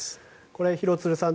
これは廣津留さん